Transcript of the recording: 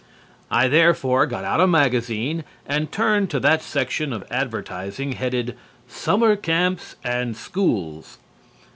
I therefore got out a magazine and turned to that section of the advertising headed, "Summer Camps and Schools."